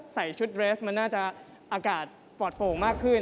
ใส่ชุดเรสมันน่าจะอากาศปลอดโป่งมากขึ้น